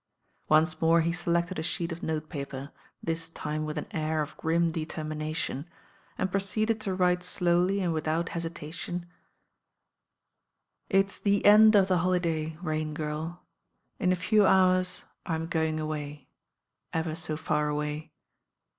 Once more he selected a sheet of note paper, this time with an air of grim determination, and proceeded to write slowly and without hesita non: — "It's the end of the holiday, Rain Girl. In a few hours I am going away— ever so far away.